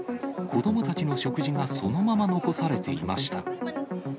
子どもたちの食事がそのまま残されていました。